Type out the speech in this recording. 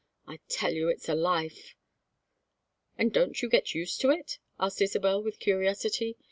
I tell you it's a life!" "And don't you get used to it?" asked Isabel with curiosity.